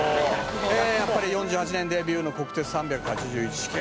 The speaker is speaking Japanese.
「やっぱり４８年デビューの国鉄３８１系」